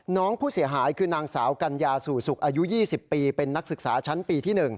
น้องผู้เสียหายคือนางสาวกัญญาสู่สุขอายุ๒๐ปีเป็นนักศึกษาชั้นปีที่๑